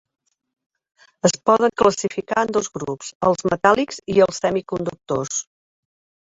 Es poden classificar en dos grups, els metàl·lics i els semiconductors.